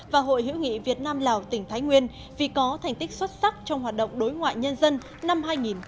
và hội hữu nghị việt nam lào tỉnh thái nguyên vì có thành tích xuất sắc trong hoạt động đối ngoại nhân dân năm hai nghìn một mươi tám